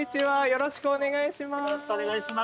よろしくお願いします。